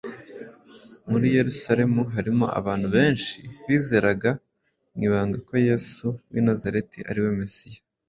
Muri Yerusalemu harimo abantu benshi bizeraga mu ibanga ko Yesu w’i Nazareti ari we Mesiya,